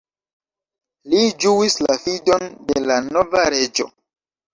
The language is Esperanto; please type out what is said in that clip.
Li ĝuis la fidon de la nova reĝo.